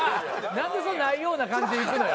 なんでそんなないような感じでいくのよ。